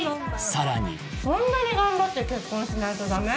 さらにそんなに頑張って結婚しないとダメ？